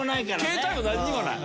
携帯もなんにもない。